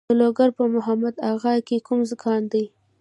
د لوګر په محمد اغه کې کوم کان دی؟